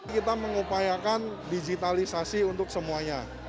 kita mengupayakan digitalisasi untuk semuanya